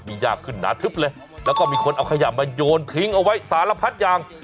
มียากขึ้นหนาทึบเลยแล้วก็มีคนเอาขยะมาโยนทิ้งเอาไว้สารพัดอย่าง